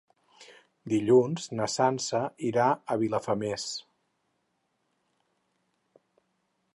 Dilluns na Sança irà a Vilafamés.